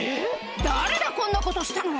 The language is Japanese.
「誰だこんなことしたの！